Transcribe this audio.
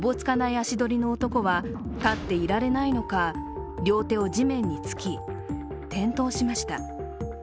足取りの男は、立っていられないのか両手を地面につき、転倒しました。